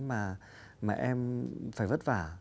mà em phải vất vả